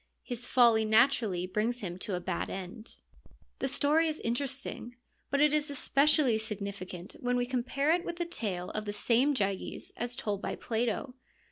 His folly naturally brings him to a bad end. The story is interesting, but it is especially signi ficant when we compare it with the tale of the same Gyges as told by Plato.